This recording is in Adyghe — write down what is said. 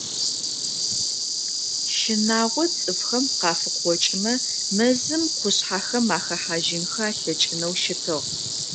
Щынагъо цӏыфхэм къафыкъокӏымэ, мэзым, къушъхьэхэм ахэхьажьынхэ алъэкӏынэу щытыгъ.